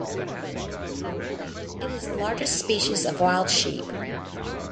It is the largest species of wild sheep.